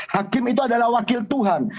hakim itu adalah wakil tuhan